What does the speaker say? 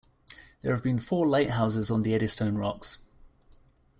There have been four lighthouses on the Eddystone Rocks.